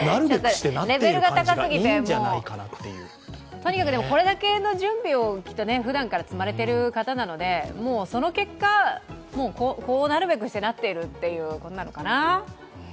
とにかくこれだけの準備をきっとふだんから積まれている方なので、もう、その結果、こうなるべくしてなっているっていうことなのかな。